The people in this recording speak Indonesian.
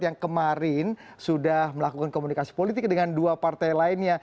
yang kemarin sudah melakukan komunikasi politik dengan dua partai lainnya